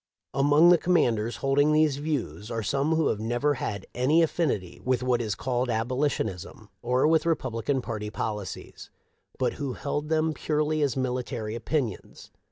Among the commanders holding these views are some who have never had any affinity with what is called abolitionism or with Re publican party policies, but who held them purely as military opinions.